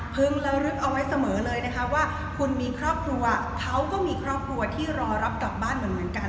ระลึกเอาไว้เสมอเลยนะคะว่าคุณมีครอบครัวเขาก็มีครอบครัวที่รอรับกลับบ้านเหมือนกัน